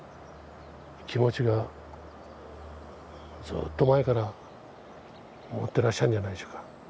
ずっと前から持ってらっしゃるんじゃないでしょうか。